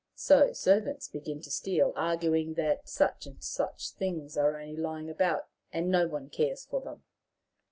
So servants begin to steal, arguing that such and such things are only lying about, and nobody cares for them.